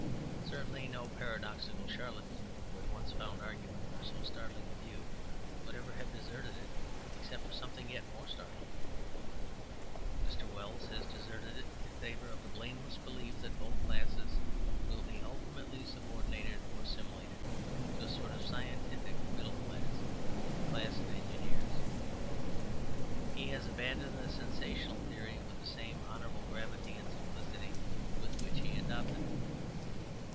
Certainly no paradoxical charlatan who had once found arguments for so startling a view would ever have deserted it except for something yet more startling. Mr. Wells has deserted it in favour of the blameless belief that both classes will be ultimately subordinated or assimilated to a sort of scientific middle class, a class of engineers. He has abandoned the sensational theory with the same honourable gravity and simplicity with which he adopted it.